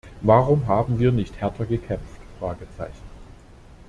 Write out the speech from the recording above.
Warum haben wir nicht härter gekämpft?